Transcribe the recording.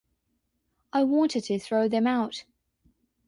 I wanted to throw them out.